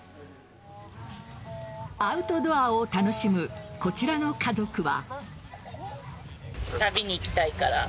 アウトドアを楽しむこちらの家族は。